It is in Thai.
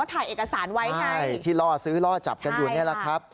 ถ่ายเอกสารไว้ไงใช่ที่ล่อซื้อล่อจับกันอยู่นี่แหละครับ